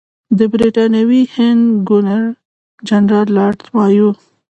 د برټانوي هند ګورنر جنرال لارډ مایو.